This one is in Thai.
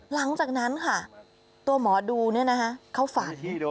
หลังจากนั้นค่ะตัวหมอดูเนี่ยนะคะเขาฝัน